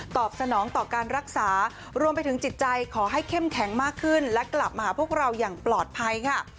สนองต่อการรักษารวมไปถึงจิตใจขอให้เข้มแข็งมากขึ้นและกลับมาหาพวกเราอย่างปลอดภัยค่ะ